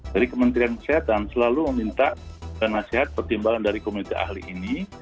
jadi kementerian kesehatan selalu meminta dan nasihat pertimbangan dari komite ahli ini